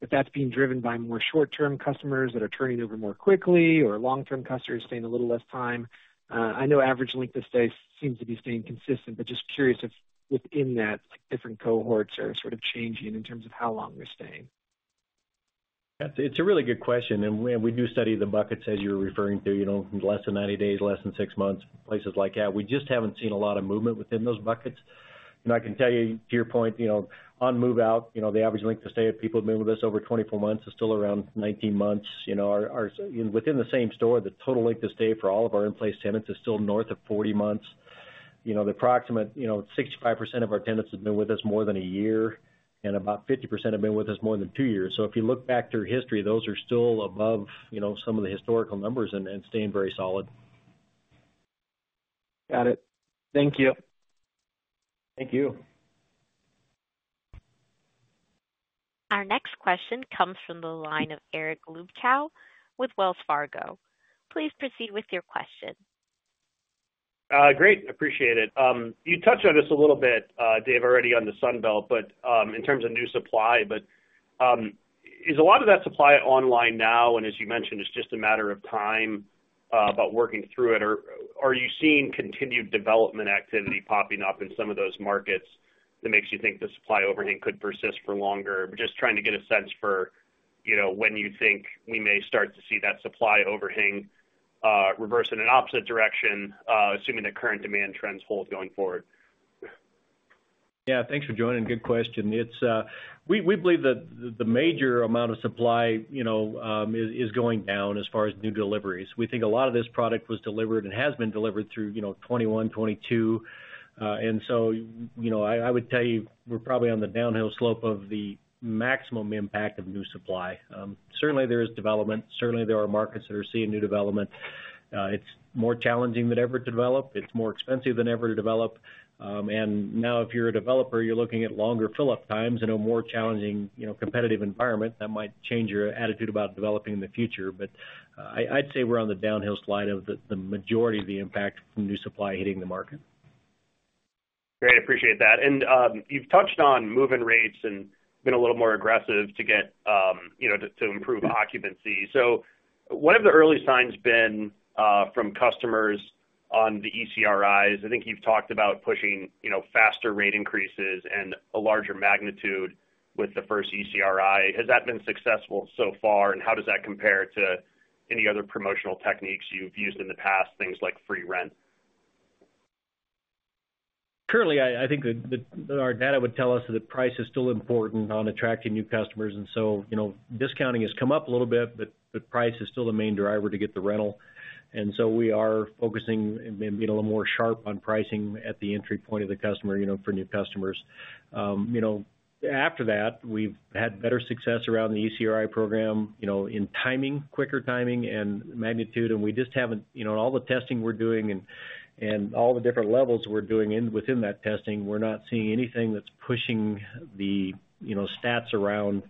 if that's being driven by more short-term customers that are turning over more quickly or long-term customers staying a little less time. I know average length of stay seems to be staying consistent, but just curious if within that, like, different cohorts are sort of changing in terms of how long they're staying. That's. It's a really good question, and we do study the buckets, as you're referring to, you know, less than 90 days, less than 6 months, places like that. We just haven't seen a lot of movement within those buckets. And I can tell you, to your point, you know, on move-out, you know, the average length of stay of people who've been with us over 24 months is still around 19 months. You know, our within the same store, the total length of stay for all of our in-place tenants is still north of 40 months. You know, the approximate, you know, 65% of our tenants have been with us more than a year, and about 50% have been with us more than 2 years. So if you look back through history, those are still above, you know, some of the historical numbers and staying very solid. Got it. Thank you. Thank you. Our next question comes from the line of Eric Luebchow with Wells Fargo. Please proceed with your question. Great, appreciate it. You touched on this a little bit, Dave, already on the Sun Belt, but in terms of new supply. But, is a lot of that supply online now, and as you mentioned, it's just a matter of time about working through it, or are you seeing continued development activity popping up in some of those markets that makes you think the supply overhang could persist for longer? Just trying to get a sense for, you know, when you think we may start to see that supply overhang reverse in an opposite direction, assuming that current demand trends hold going forward. Yeah, thanks for joining. Good question. It's we believe that the major amount of supply, you know, is going down as far as new deliveries. We think a lot of this product was delivered and has been delivered through, you know, 2021, 2022. And so, you know, I would tell you, we're probably on the downhill slope of the maximum impact of new supply. Certainly, there is development. Certainly, there are markets that are seeing new development. It's more challenging than ever to develop. It's more expensive than ever to develop. And now, if you're a developer, you're looking at longer fill-up times and a more challenging, you know, competitive environment that might change your attitude about developing in the future. I'd say we're on the downhill slide of the majority of the impact from new supply hitting the market. Great, appreciate that. And you've touched on move-in rates and been a little more aggressive to get, you know, to improve occupancy. So what have the early signs been from customers on the ECRIs? I think you've talked about pushing, you know, faster rate increases and a larger magnitude with the first ECRI. Has that been successful so far? And how does that compare to any other promotional techniques you've used in the past, things like free rent? Currently, I think our data would tell us that price is still important on attracting new customers, and so, you know, discounting has come up a little bit, but price is still the main driver to get the rental. And so we are focusing and being a little more sharp on pricing at the entry point of the customer, you know, for new customers. You know, after that, we've had better success around the ECRI program, you know, in timing, quicker timing and magnitude. And we just haven't, you know, in all the testing we're doing and all the different levels we're doing within that testing, we're not seeing anything that's pushing the, you know, stats around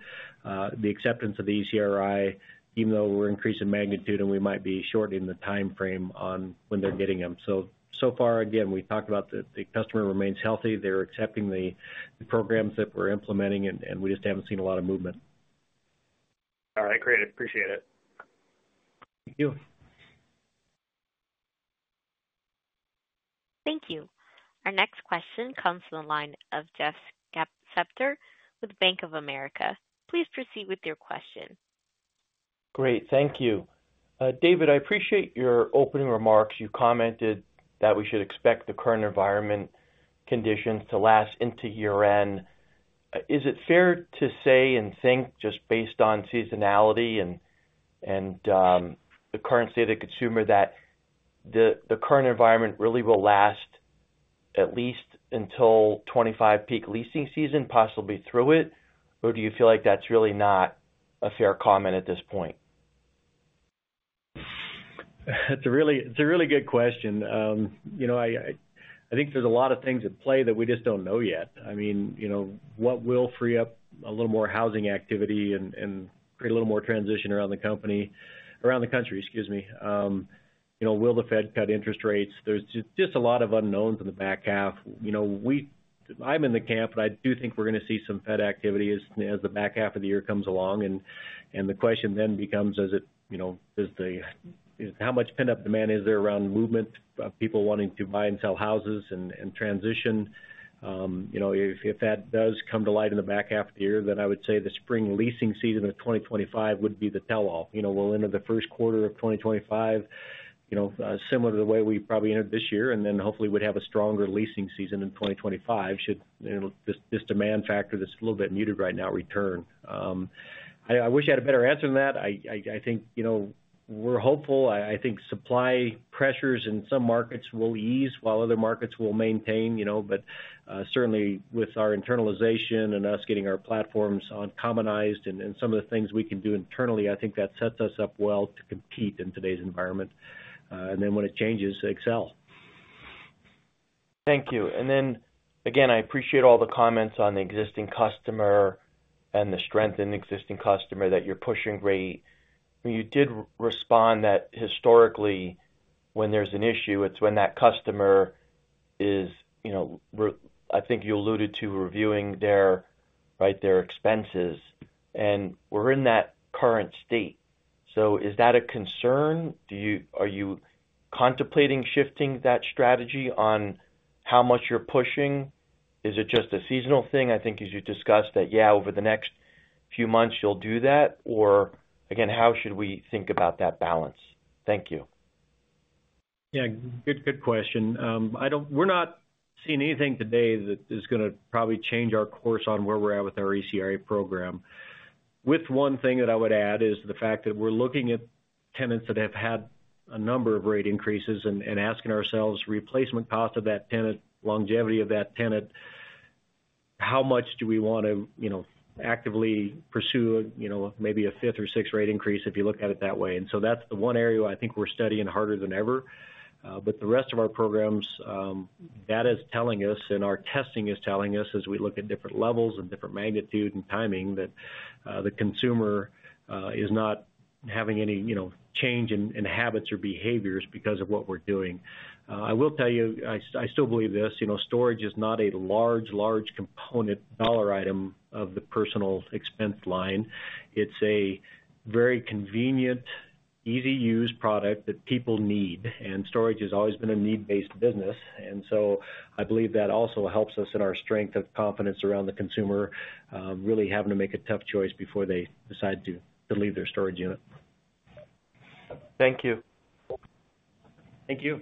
the acceptance of the ECRI, even though we're increasing magnitude, and we might be shortening the timeframe on when they're getting them. So far, again, we talked about the customer. The customer remains healthy. They're accepting the programs that we're implementing, and we just haven't seen a lot of movement. All right, great. Appreciate it. Thank you. Thank you. Our next question comes from the line of Jeff Spector with Bank of America. Please proceed with your question. Great, thank you. David, I appreciate your opening remarks. You commented that we should expect the current environment conditions to last into year-end. Is it fair to say and think, just based on seasonality and the current state of the consumer, that the current environment really will last at least until 2025 peak leasing season, possibly through it? Or do you feel like that's really not a fair comment at this point? It's a really, it's a really good question. You know, I think there's a lot of things at play that we just don't know yet. I mean, you know, what will free up a little more housing activity and create a little more transition around the company - around the country, excuse me. You know, will the Fed cut interest rates? There's just a lot of unknowns in the back half. You know, I'm in the camp, but I do think we're gonna see some Fed activity as the back half of the year comes along, and the question then becomes, is it, you know, is the... How much pent-up demand is there around movement of people wanting to buy and sell houses and transition? You know, if that does come to light in the back half of the year, then I would say the spring leasing season of 2025 would be the tell-all. You know, we'll end the first quarter of 2025, you know, similar to the way we probably ended this year, and then hopefully we'd have a stronger leasing season in 2025, should, you know, this demand factor that's a little bit muted right now, return. I think, you know, we're hopeful. I think supply pressures in some markets will ease, while other markets will maintain, you know, but certainly with our internalization and us getting our platforms on commonized and some of the things we can do internally, I think that sets us up well to compete in today's environment, and then when it changes, excel. Thank you. Then, again, I appreciate all the comments on the existing customer and the strength in the existing customer that you're pushing rate. You did respond that historically, when there's an issue, it's when that customer is, you know, reviewing their, right, their expenses, and we're in that current state. So is that a concern? Do you... Are you contemplating shifting that strategy on how much you're pushing? Is it just a seasonal thing? I think as you discussed that, yeah, over the next few months, you'll do that. Or again, how should we think about that balance? Thank you. Yeah, good, good question. I don't. We're not seeing anything today that is gonna probably change our course on where we're at with our ECRI program. With one thing that I would add is the fact that we're looking at tenants that have had a number of rate increases and asking ourselves, replacement cost of that tenant, longevity of that tenant, how much do we want to, you know, actively pursue, you know, maybe a fifth or sixth rate increase, if you look at it that way? And so that's the one area where I think we're studying harder than ever. But the rest of our programs data is telling us and our testing is telling us, as we look at different levels and different magnitude and timing, that the consumer is not having any, you know, change in habits or behaviors because of what we're doing. I will tell you, I still believe this, you know, storage is not a large, large component, dollar item of the personal expense line. It's a very convenient, easy-to-use product that people need, and storage has always been a need-based business. And so I believe that also helps us in our strength of confidence around the consumer really having to make a tough choice before they decide to leave their storage unit. Thank you. Thank you.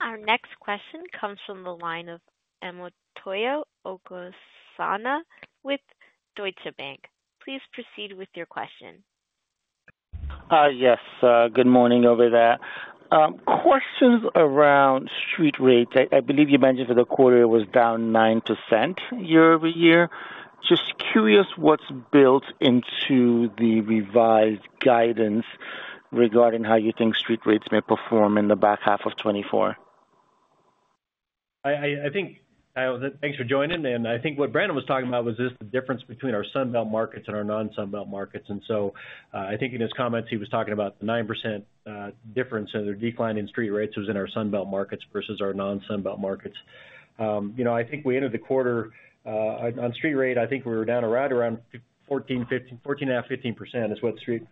Our next question comes from the line of Omotayo Okusanya with Deutsche Bank. Please proceed with your question. Yes, good morning over there. Questions around street rates. I believe you mentioned that the quarter was down 9% year-over-year. Just curious what's built into the revised guidance regarding how you think street rates may perform in the back half of 2024. I think... Thanks for joining, and I think what Brandon was talking about was just the difference between our Sun Belt markets and our non-Sun Belt markets. And so, I think in his comments, he was talking about the 9% difference in the decline in street rates was in our Sun Belt markets versus our non-Sun Belt markets. You know, I think we ended the quarter on street rate, I think we were down around fourteen, fifteen - fourteen and a half, 15% is what street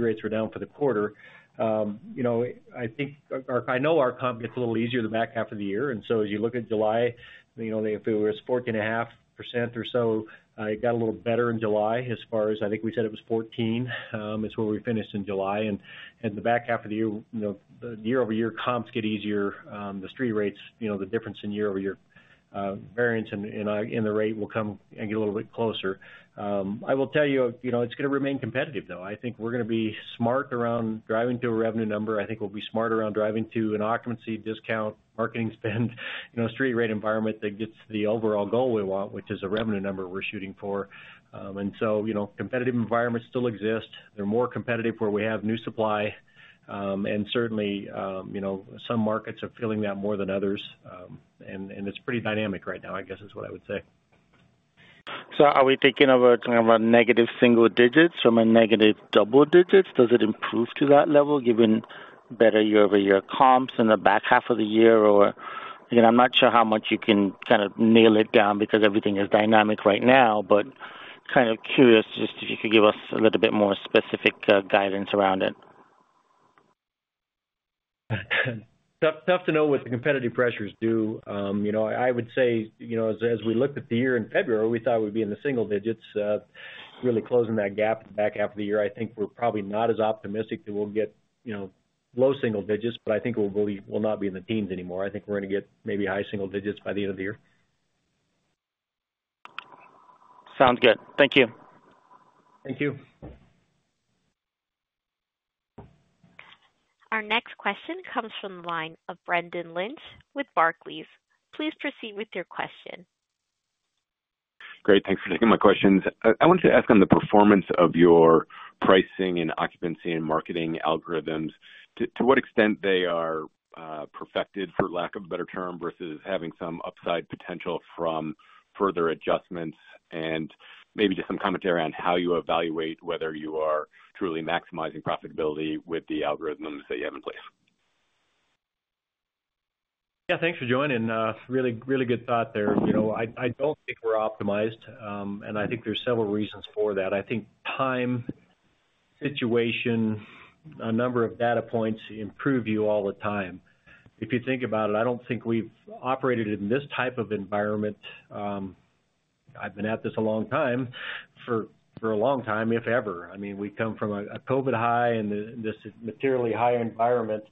rates were down for the quarter. You know, I think, our, our... I know our comp gets a little easier in the back half of the year, and so as you look at July, you know, if it was 14.5% or so, it got a little better in July as far as I think we said it was 14%, is where we finished in July. And the back half of the year, you know, the year-over-year comps get easier. The street rates, you know, the difference in year-over-year variance in the rate will come and get a little bit closer. I will tell you, you know, it's gonna remain competitive, though. I think we're gonna be smart around driving to a revenue number. I think we'll be smart around driving to an occupancy discount, marketing spend, you know, street rate environment that gets the overall goal we want, which is a revenue number we're shooting for. And so, you know, competitive environments still exist. They're more competitive where we have new supply. And certainly, you know, some markets are feeling that more than others. And it's pretty dynamic right now, I guess, is what I would say.... So are we thinking of a, talking about negative single digits from a negative double digits? Does it improve to that level, given better year-over-year comps in the back half of the year? Or, again, I'm not sure how much you can kind of nail it down because everything is dynamic right now, but kind of curious just if you could give us a little bit more specific guidance around it. Tough, tough to know what the competitive pressures do. You know, I would say, you know, as we looked at the year in February, we thought we'd be in the single digits, really closing that gap in the back half of the year. I think we're probably not as optimistic that we'll get, you know, low single digits, but I think we'll believe we'll not be in the teens anymore. I think we're gonna get maybe high single digits by the end of the year. Sounds good. Thank you. Thank you. Our next question comes from the line of Brendan Lynch with Barclays. Please proceed with your question. Great, thanks for taking my questions. I wanted to ask on the performance of your pricing and occupancy and marketing algorithms, to, to what extent they are perfected, for lack of a better term, versus having some upside potential from further adjustments, and maybe just some commentary on how you evaluate whether you are truly maximizing profitability with the algorithms that you have in place. Yeah, thanks for joining. Really, really good thought there. You know, I don't think we're optimized, and I think there's several reasons for that. I think time, situation, a number of data points improve you all the time. If you think about it, I don't think we've operated in this type of environment. I've been at this a long time, for a long time, if ever. I mean, we come from a COVID high and this materially high environment,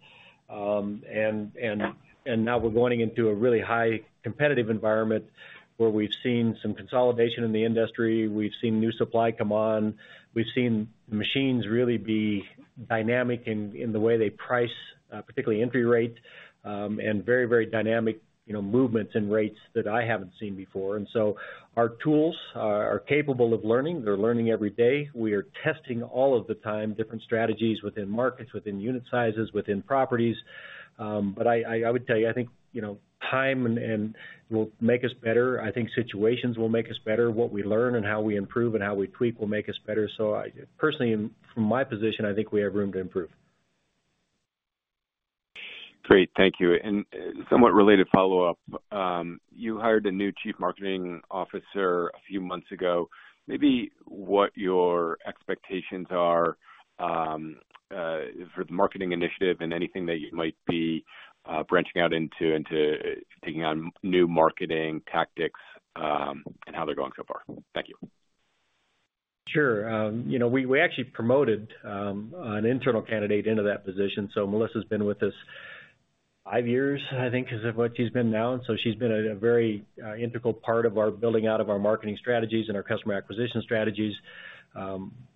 and now we're going into a really high competitive environment where we've seen some consolidation in the industry, we've seen new supply come on, we've seen machines really be dynamic in the way they price, particularly entry rate, and very, very dynamic, you know, movements in rates that I haven't seen before. Our tools are capable of learning. They're learning every day. We are testing all of the time, different strategies within markets, within unit sizes, within properties. But I would tell you, I think, you know, time and will make us better. I think situations will make us better. What we learn and how we improve and how we tweak will make us better. So I, personally, from my position, I think we have room to improve. Great. Thank you. And somewhat related follow-up, you hired a new Chief Marketing Officer a few months ago. Maybe what your expectations are, for the marketing initiative and anything that you might be, branching out into, taking on new marketing tactics, and how they're going so far? Thank you. Sure. You know, we actually promoted an internal candidate into that position. So Melissa's been with us five years, I think, is what she's been now. And so she's been a very integral part of our building out of our marketing strategies and our customer acquisition strategies.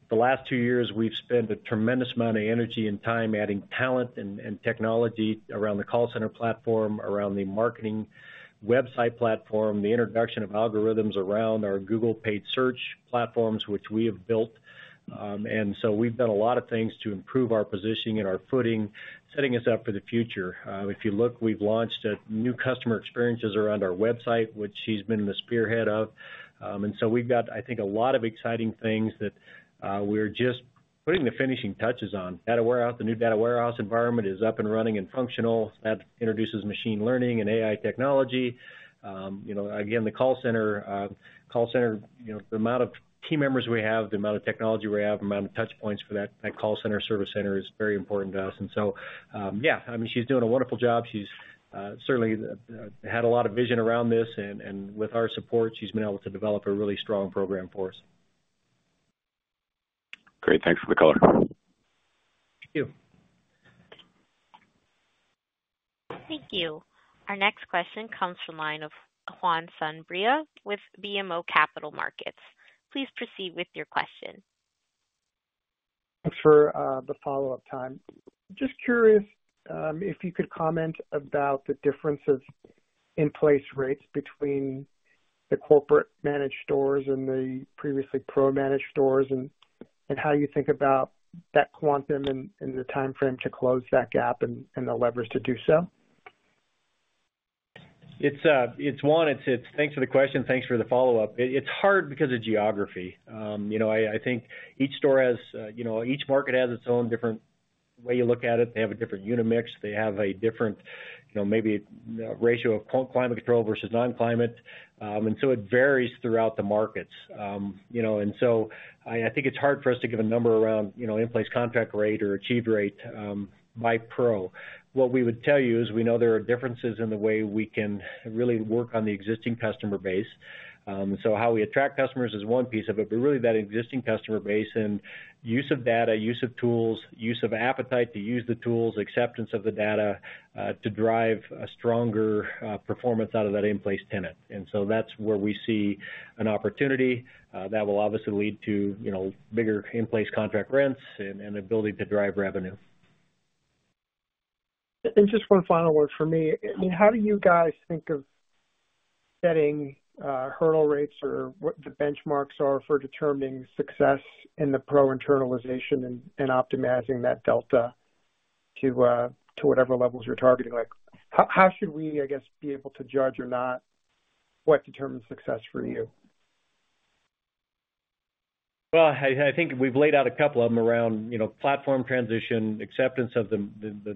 The last two years, we've spent a tremendous amount of energy and time adding talent and technology around the call center platform, around the marketing website platform, the introduction of algorithms around our Google paid search platforms, which we have built. And so we've done a lot of things to improve our positioning and our footing, setting us up for the future. If you look, we've launched a new customer experiences around our website, which she's been the spearhead of. And so we've got, I think, a lot of exciting things that we're just putting the finishing touches on. Data warehouse, the new data warehouse environment is up and running and functional. That introduces machine learning and AI technology. You know, again, the call center, call center, you know, the amount of team members we have, the amount of technology we have, the amount of touch points for that, that call center, service center is very important to us. And so, yeah, I mean, she's doing a wonderful job. She's certainly had a lot of vision around this, and with our support, she's been able to develop a really strong program for us. Great, thanks for the color. Thank you. Thank you. Our next question comes from the line of Juan Sanabria with BMO Capital Markets. Please proceed with your question. Thanks for the follow-up time. Just curious, if you could comment about the differences in place rates between the corporate managed stores and the previously PRO-managed stores, and how you think about that quantum and the timeframe to close that gap and the levers to do so. Thanks for the question, thanks for the follow-up. It's hard because of geography. You know, I think each store has, you know, each market has its own different way you look at it. They have a different unit mix. They have a different, you know, maybe ratio of climate control versus non-climate. And so it varies throughout the markets. You know, and so I think it's hard for us to give a number around, you know, in-place contract rate or achieved rate, by PRO. What we would tell you is, we know there are differences in the way we can really work on the existing customer base. So how we attract customers is one piece of it, but really, that existing customer base and use of data, use of tools, use of appetite to use the tools, acceptance of the data, to drive a stronger performance out of that in-place tenant. And so that's where we see an opportunity that will obviously lead to, you know, bigger in-place contract rents and, and the ability to drive revenue. Just one final word from me. I mean, how do you guys think of setting hurdle rates or what the benchmarks are for determining success in the PRO internalization and optimizing that delta?... to whatever levels you're targeting. Like, how should we, I guess, be able to judge or not, what determines success for you? Well, I think we've laid out a couple of them around, you know, platform transition, acceptance of the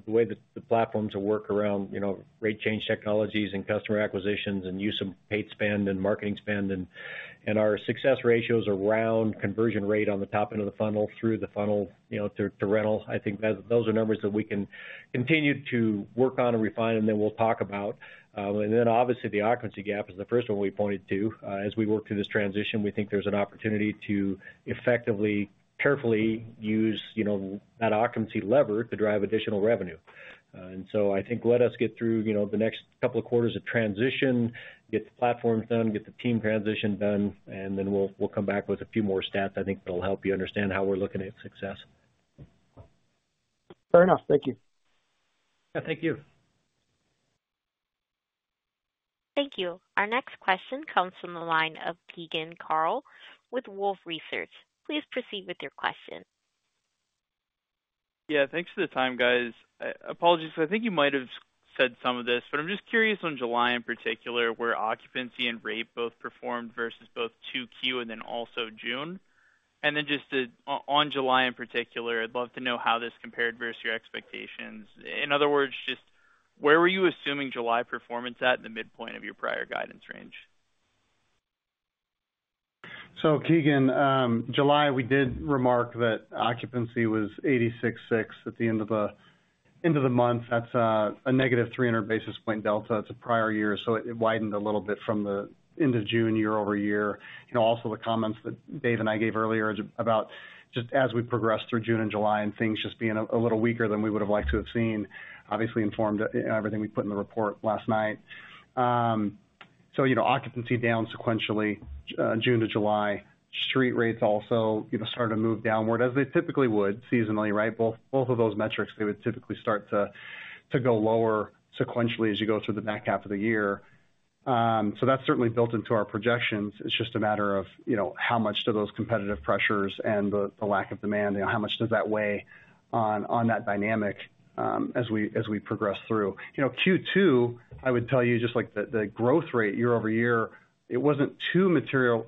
way that the platforms work around, you know, rate change technologies and customer acquisitions, and use of paid spend and marketing spend, and our success ratios around conversion rate on the top end of the funnel, through the funnel, you know, to rental. I think that those are numbers that we can continue to work on and refine, and then we'll talk about. And then obviously, the occupancy gap is the first one we pointed to. As we work through this transition, we think there's an opportunity to effectively, carefully use, you know, that occupancy lever to drive additional revenue. And so I think let us get through, you know, the next couple of quarters of transition, get the platforms done, get the team transition done, and then we'll come back with a few more stats. I think that'll help you understand how we're looking at success. Fair enough. Thank you. Yeah, thank you. Thank you. Our next question comes from the line of Keegan Carl with Wolfe Research. Please proceed with your question. Yeah, thanks for the time, guys. Apologies, I think you might have said some of this, but I'm just curious on July, in particular, where occupancy and rate both performed versus both 2Q and then also June. And then just to on, on July, in particular, I'd love to know how this compared versus your expectations. In other words, just where were you assuming July performance at in the midpoint of your prior guidance range? Keegan, July, we did remark that occupancy was 86.6 at the end of the month. That's a negative 300 basis point delta. It's a prior year, so it widened a little bit from the end of June, year-over-year. You know, also the comments that Dave and I gave earlier about just as we progressed through June and July, and things just being a little weaker than we would have liked to have seen, obviously informed everything we put in the report last night. So you know, occupancy down sequentially, June to July. Street rates also, you know, started to move downward, as they typically would seasonally, right? Both of those metrics, they would typically start to go lower sequentially as you go through the back half of the year. So that's certainly built into our projections. It's just a matter of, you know, how much do those competitive pressures and the lack of demand, you know, how much does that weigh on that dynamic as we progress through? You know, Q2, I would tell you just like the growth rate year-over-year, it wasn't too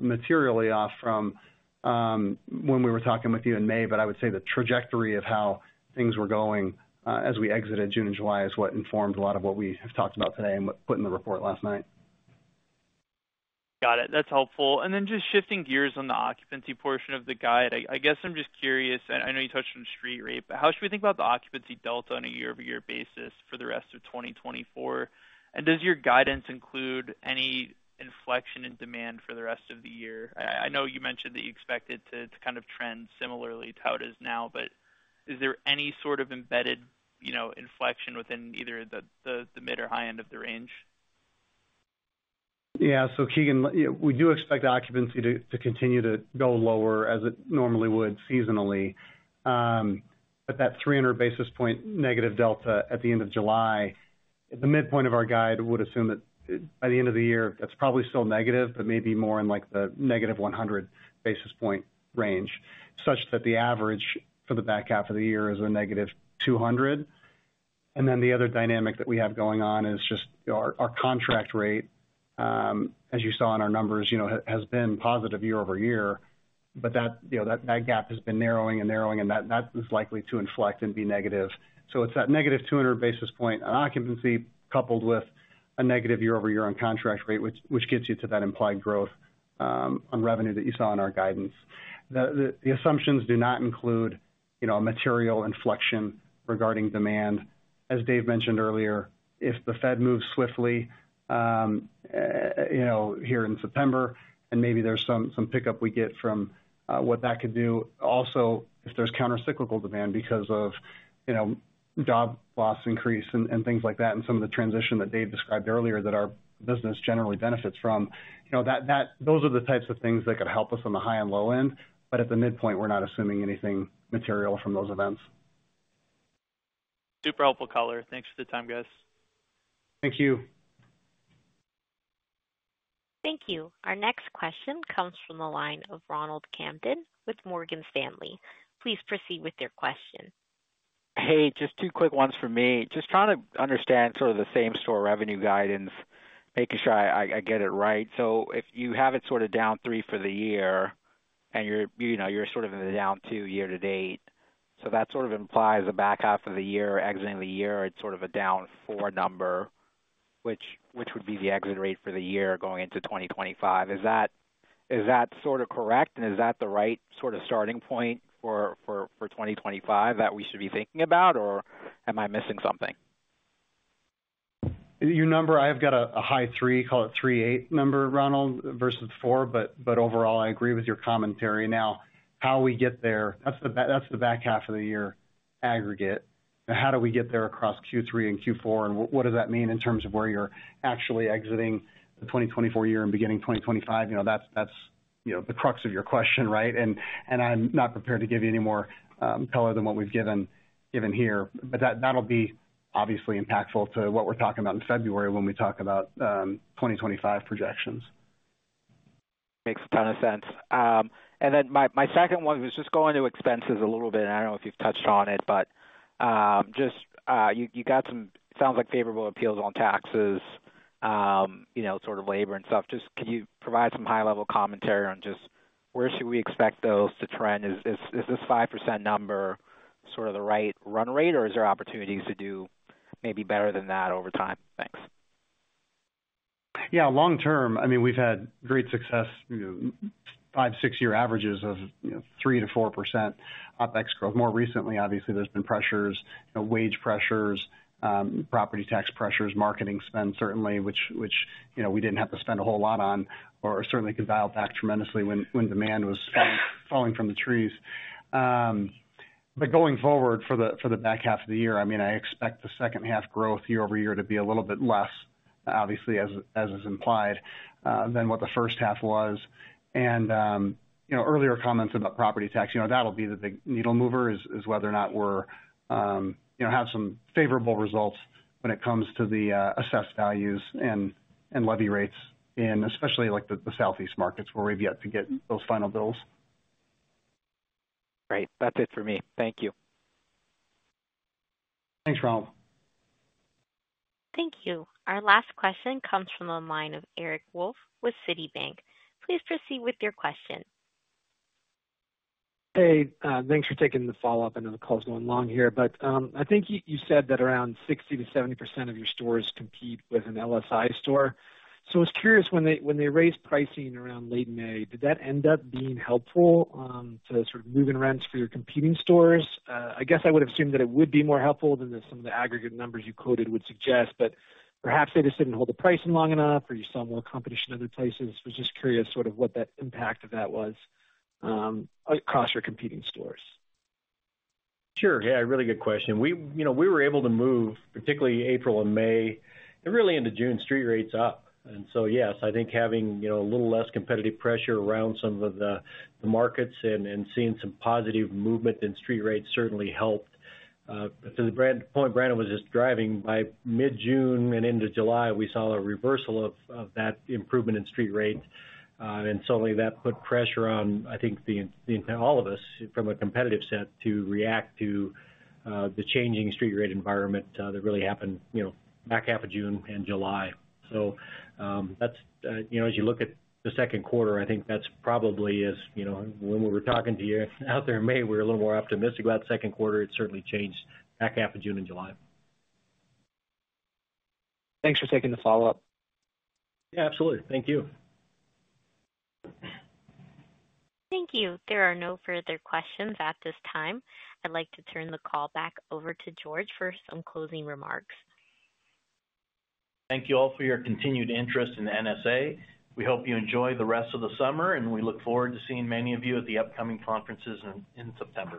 materially off from when we were talking with you in May, but I would say the trajectory of how things were going as we exited June and July is what informed a lot of what we have talked about today and what put in the report last night. Got it. That's helpful. And then just shifting gears on the occupancy portion of the guide. I guess I'm just curious. I know you touched on street rate, but how should we think about the occupancy delta on a year-over-year basis for the rest of 2024? And does your guidance include any inflection in demand for the rest of the year? I know you mentioned that you expect it to kind of trend similarly to how it is now, but is there any sort of embedded, you know, inflection within either the mid or high end of the range? Yeah. So, Keegan, we do expect occupancy to continue to go lower as it normally would seasonally. But that 300 basis point negative delta at the end of July, the midpoint of our guide would assume that by the end of the year, that's probably still negative, but maybe more in like the negative 100 basis point range, such that the average for the back half of the year is a negative 200. And then the other dynamic that we have going on is just our contract rate, as you saw in our numbers, you know, has been positive year over year, but that, you know, that gap has been narrowing and narrowing, and that is likely to inflect and be negative. So it's that negative 200 basis point on occupancy, coupled with a negative year-over-year on contract rate, which gets you to that implied growth on revenue that you saw in our guidance. The assumptions do not include, you know, a material inflection regarding demand. As Dave mentioned earlier, if the Fed moves swiftly, you know, here in September and maybe there's some pickup we get from what that could do, also, if there's countercyclical demand because of, you know, job loss increase and things like that, and some of the transition that Dave described earlier, that our business generally benefits from, you know, that those are the types of things that could help us on the high and low end, but at the midpoint, we're not assuming anything material from those events. Super helpful color. Thanks for the time, guys. Thank you. Thank you. Our next question comes from the line of Ronald Kamdem with Morgan Stanley. Please proceed with your question. Hey, just two quick ones for me. Just trying to understand sort of the same-store revenue guidance, making sure I get it right. So if you have it sort of down three for the year, and you're, you know, you're sort of in the down two year to date, so that sort of implies the back half of the year, exiting the year, it's sort of a down four number, which would be the exit rate for the year going into 2025. Is that sort of correct, and is that the right sort of starting point for 2025 that we should be thinking about, or am I missing something? Your number, I've got a high three, call it 3.8 number, Ronald, versus 4, but overall, I agree with your commentary. Now, how we get there, that's the back half of the year aggregate. Now, how do we get there across Q3 and Q4? And what does that mean in terms of where you're actually exiting the 2024 year and beginning 2025? You know, that's you know, the crux of your question, right? And I'm not prepared to give you any more color than what we've given here, but that'll be obviously impactful to what we're talking about in February when we talk about 2025 projections. ...Makes a ton of sense. And then my, my second one was just going to expenses a little bit, and I don't know if you've touched on it, but just you got some sounds like favorable appeals on taxes, you know, sort of labor and stuff. Just can you provide some high-level commentary on just where should we expect those to trend? Is this 5% number sort of the right run rate, or is there opportunities to do maybe better than that over time? Thanks. Yeah, long term, I mean, we've had great success, you know, 5-6-year averages of, you know, 3%-4% OpEx growth. More recently, obviously, there's been pressures, you know, wage pressures, property tax pressures, marketing spend, certainly, which, you know, we didn't have to spend a whole lot on or certainly could dial back tremendously when demand was falling from the trees. But going forward, for the back half of the year, I mean, I expect the second half growth year-over-year to be a little bit less, obviously, as is implied, than what the first half was. You know, earlier comments about property tax, you know, that'll be the big needle mover, is whether or not we're, you know, have some favorable results when it comes to the assessed values and levy rates, and especially like the Southeast markets, where we've yet to get those final bills. Great. That's it for me. Thank you. Thanks, Ronald. Thank you. Our last question comes from the line of Eric Wolfe with Citibank. Please proceed with your question. Hey, thanks for taking the follow-up. I know the call's going long here, but, I think you, you said that around 60%-70% of your stores compete with an LSI store. So I was curious, when they, when they raised pricing around late May, did that end up being helpful, to sort of moving rents for your competing stores? I guess I would assume that it would be more helpful than some of the aggregate numbers you quoted would suggest, but perhaps they just didn't hold the pricing long enough, or you saw more competition in other places. I was just curious sort of what that impact of that was, across your competing stores. Sure. Yeah, really good question. We, you know, we were able to move, particularly April and May, and really into June, street rates up. And so, yes, I think having, you know, a little less competitive pressure around some of the markets and seeing some positive movement in street rates certainly helped. To the point Brandon was just driving, by mid-June and into July, we saw a reversal of that improvement in street rates. And suddenly that put pressure on, I think, all of us, from a competitive sense, to react to the changing street rate environment that really happened, you know, back half of June and July. So, that's, you know, as you look at the second quarter, I think that's probably is... You know, when we were talking to you out there in May, we were a little more optimistic about second quarter. It certainly changed back half of June and July. Thanks for taking the follow-up. Yeah, absolutely. Thank you. Thank you. There are no further questions at this time. I'd like to turn the call back over to George for some closing remarks. Thank you all for your continued interest in NSA. We hope you enjoy the rest of the summer, and we look forward to seeing many of you at the upcoming conferences in September.